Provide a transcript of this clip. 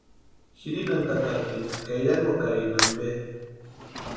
Jirinantʼakakini ka eyankwakarini ampe.